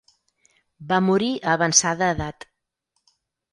Va morir a avançada edat.